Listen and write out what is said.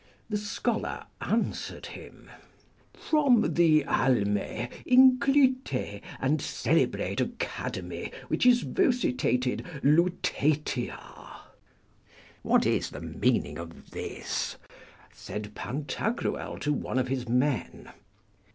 The scholar answered him, From the alme, inclyte, and celebrate academy, which is vocitated Lutetia. What is the meaning of this? said Pantagruel to one of his men.